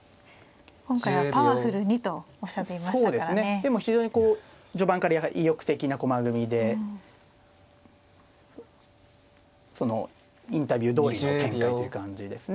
でも非常にこう序盤から意欲的な駒組みでインタビューどおりの展開という感じですね。